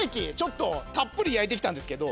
たっぷり焼いてきたんですけど。